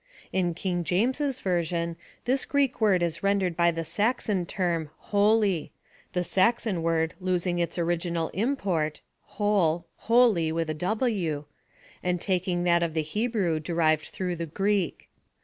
In King Jameses version this Greek word is rendered by the Saxon term holy — the Saxon word losing its original im port, {whole, wholly,) and taking that of the Hebrew derived through the Greek.